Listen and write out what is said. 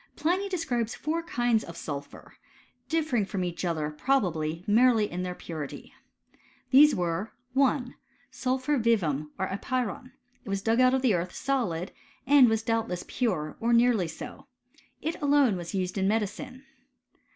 Pliny describes four kinds of sul phur, differing from each other, probably, merely in their purity. These were 1 . Sulphur vivum, or apyron. It was dug out of the earth solid, and was doubtless pure, or nearly so. It alone was used in medicine.